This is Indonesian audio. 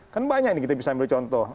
kan banyak ini kita bisa ambil contoh